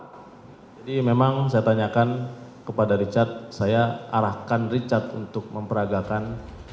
jadi memang saya tanyakan kepada richard saya arahkan richard untuk memperagakan